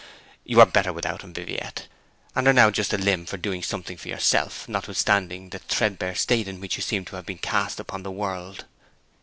You are better without him, Viviette, and are now just the limb for doing something for yourself, notwithstanding the threadbare state in which you seem to have been cast upon the world.